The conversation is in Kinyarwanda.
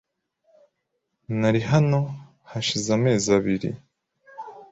Nari hano hashize amezi abiri .